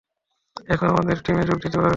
এখন আমাদের টিমে যোগ দিতে পারবি।